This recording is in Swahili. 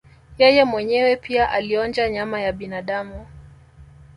Yeye mwenyewe pia alionja nyama ya binadamu